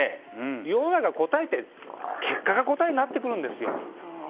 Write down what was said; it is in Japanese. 世の中結果が答えになってくるんですよ。